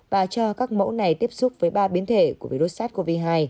và cho các mẫu này tiếp xúc với ba biến thể của virus sars cov hai